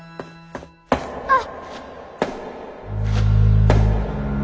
あっ。